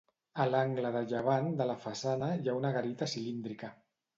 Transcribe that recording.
A l'angle de llevant de la façana hi ha una garita cilíndrica.